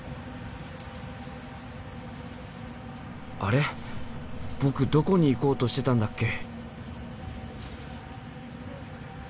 あれ僕どこに行こうとしてたんだっけ？